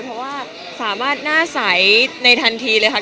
เพราะว่าสามารถหน้าใสในทันทีเลยค่ะ